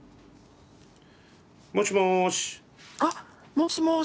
もしもし。